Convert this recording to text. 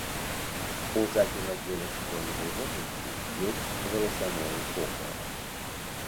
У заднім аддзеле скроневай вобласці ёсць валасяное покрыва.